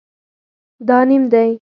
دا نیم دی